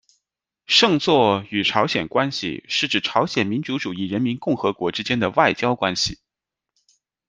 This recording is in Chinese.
圣座与朝鲜关系是指朝鲜民主主义人民共和国之间的外交关系。